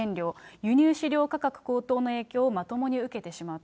輸入飼料価格高騰の影響をまともに受けてしまうと。